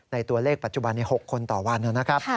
ในตัวเลขปัจจุบัน๖คนต่อวัน